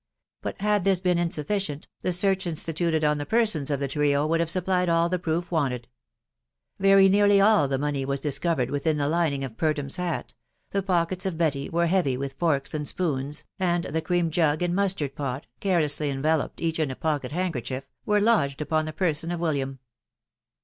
But had this been insuffi cient, the search instituted on the persons of the trio would have supplied all the proof wanted. Very nearly all the money was discovered within the lining of Purdham's hat; the pockets of Betty were heavy with forks and spoons, and the cream jug and mustard pot, carelessly enveloped each in a pocket handkerchief, were lodged upon the person of Wil liam.